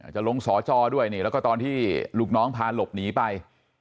จะลงสอจอด้วยนี่แล้วก็ตอนที่ลูกน้องพาหลบหนีไป